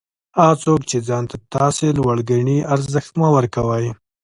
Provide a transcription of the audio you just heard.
هغه څوک چي ځان تر تاسي لوړ ګڼي؛ ارزښت مه ورکوئ!